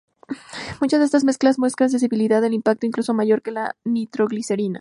Muchas de estas mezclas muestran sensibilidad al impacto incluso mayor que la nitroglicerina.